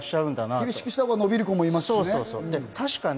厳しくしたほうが伸びる子もいますしね。